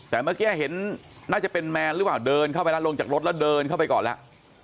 แต่เมื่อกี้เห็นน่าจะเป็นแมนหรือเปล่าเดินเข้าไปแล้วลงจากรถแล้วเดินเข้าไปก่อนแล้ว